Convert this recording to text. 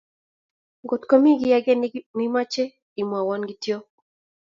Ngot komii kiy ake neimoche, imwowo kity